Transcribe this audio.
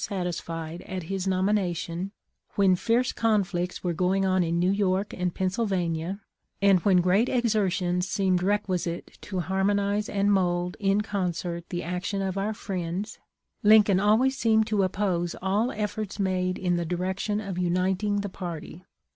satisfied at his nomination, when fierce conflicts, were going on in New York and Pennsylvania, and when great exertions seemed requisite to harmonize and mould in concert the action of our friends, Lincoln always seemed to oppose all efforts made in the direction of uniting the party.